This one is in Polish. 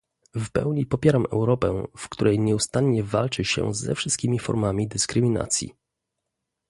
W pełni popieram Europę, w której nieustannie walczy się ze wszystkimi formami dyskryminacji